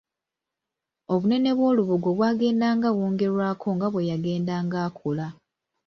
Obunene bw’olubugo bwagendanga bwongerwako nga bwe yagendanga akula.